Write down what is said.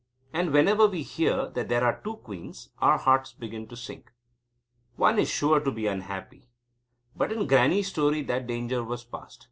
And whenever we hear that there are two queens, our hearts begin to sink. One is sure to be unhappy. But in Grannie's story that danger was past.